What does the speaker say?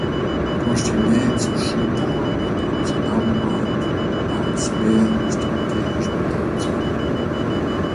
Durch die Nähe zu Schiphol und Amsterdam war Aalsmeer strategisch bedeutsam.